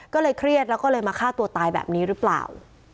ก็เลยเครียดแล้วก็เลยมาฆ่าตัวตายแบบนี้หรือเปล่า